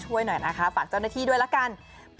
ช่วยหน่อยนะคะฝากเจ้าหน้าที่ด้วยละกัน